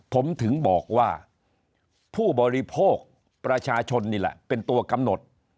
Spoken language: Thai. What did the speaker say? ผมถึงบอกว่าผู้บริโภคประชาชนนี่แหละเป็นตัวกำหนด